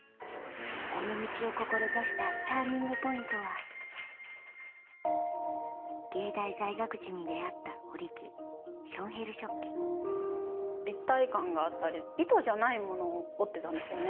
この道を志したＴＵＲＮＩＮＧＰＯＩＮＴは立体感があったり糸じゃないものを織ってたんですよね。